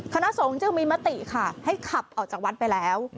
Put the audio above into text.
คณะสงฆ์จึงมีมติค่ะให้ขับออกจากวัดไปแล้ว